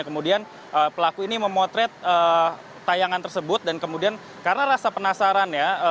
kemudian pelaku ini memotret tayangan tersebut dan kemudian karena rasa penasaran ya